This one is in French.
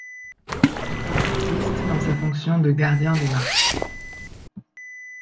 Il l'assiste dans sa fonction de gardien des Marches.